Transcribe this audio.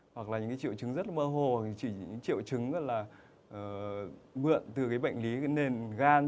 hoặc là những triệu chứng rất mơ hồ chỉ những triệu chứng là mượn từ bệnh lý nền gan